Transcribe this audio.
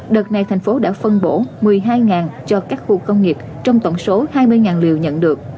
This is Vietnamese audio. đợt này thành phố đã phân bổ một mươi hai cho các khu công nghiệp trong tổng số hai mươi liều nhận được